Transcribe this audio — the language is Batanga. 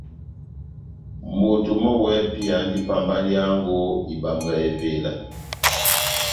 Moto mɔ́ wɛ́hɛ́pi andi pambaliyango ibambwa evela.